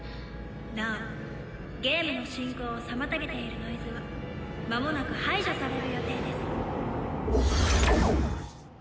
「なおゲームの進行を妨げているノイズはまもなく排除される予定です」